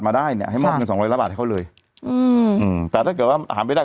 มาได้เนี้ยให้มอบเงินสองร้อยล้านบาทให้เขาเลยอืมอืมแต่ถ้าเกิดว่าหาไม่ได้